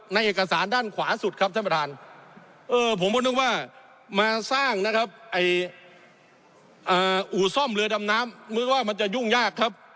เอกสารด้านขวาสุดครับท่านประธานผมก็นึกว่ามาสร้างนะครับอู่ซ่อมเรือดำน้ำมึงว่ามันจะยุ่งยากครับ